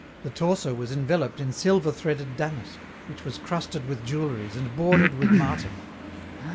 The torso was enveloped in silver threaded damask, which was crusted with jewelleries and bordered with marten.